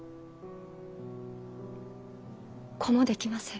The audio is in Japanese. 子も出来ません。